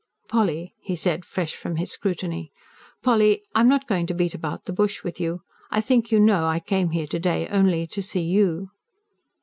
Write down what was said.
"Polly," he said, fresh from his scrutiny. "Polly, I'm not going to beat about the bush with you. I think you know I came here to day only to see you."